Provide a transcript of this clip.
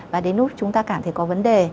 và đến lúc chúng ta cảm thấy có vấn đề